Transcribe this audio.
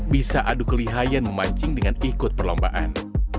bisa adu kelihayan memancing dengan ikut perlombaan